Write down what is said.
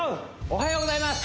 おはようございます